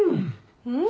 うん。